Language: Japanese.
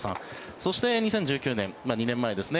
そして、２０１９年２年前ですね。